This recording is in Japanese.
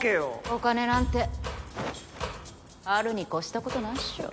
お金なんてあるに越したことないっしょ。